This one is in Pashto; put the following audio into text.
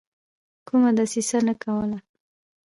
کومه دسیسه نه کوله.